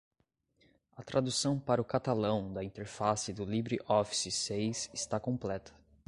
A tradução para o catalão da interface do LibreOffice seis está completa.